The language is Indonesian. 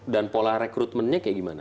dan pola rekrutmennya kayak gimana